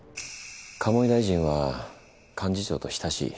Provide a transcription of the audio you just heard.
鴨井大臣は幹事長と親しい。